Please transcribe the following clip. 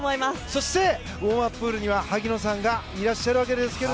そしてウォームアッププールには萩野さんがいらっしゃいます。